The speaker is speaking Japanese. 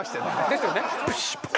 ですよね？